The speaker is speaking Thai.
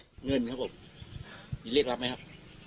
เงินครับผมมีเรียกรับไหมครับ